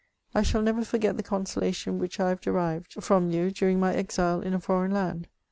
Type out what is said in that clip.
I I shall never forget the consolation which I have derived from VOL. I. 2 H 412 MEMOIRS OF you during my exile in a foreign land.